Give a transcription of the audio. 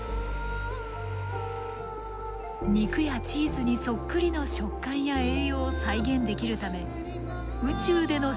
肉やチーズにそっくりの食感や栄養を再現できるため宇宙での食事に応用しようとしています。